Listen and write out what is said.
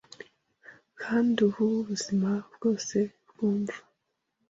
Kandi ubu buzima bwose bwumva